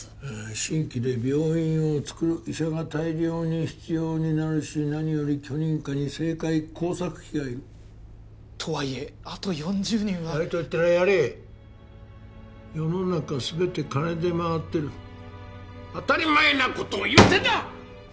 新規で病院をつくる医者が大量に必要になるし何より許認可に政界工作費がいるとはいえあと４０人はやれと言ったらやれ世の中全て金で回ってる当たり前なことを言わせるな！